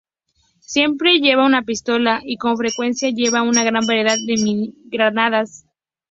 Siempre lleva una pistola y con frecuencia lleva a una gran variedad de mini-granadas.